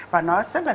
và nó rất là dễ